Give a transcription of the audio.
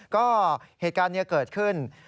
ก็เหตุการณ์นี้เกิดขึ้น